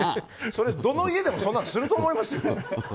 どの家でもそんなんすると思いますよ。